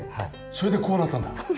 それでこうなったんだ。